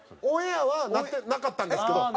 オンエアはなかったんですけど。